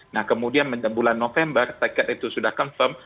nah kemudian bulan november tiket itu sudah confirm